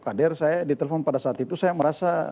kader saya ditelepon pada saat itu saya merasa